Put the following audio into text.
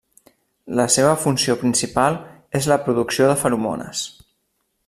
La seva funció principal és la producció de feromones.